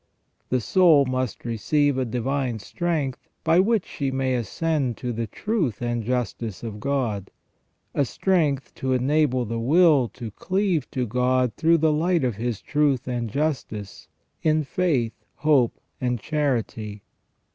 The soul must receive a divine strength by which she may ascend to the truth and justice of God : a strength to enable the will to cleave to God through the light of His truth and justice in faith, hope, and charity.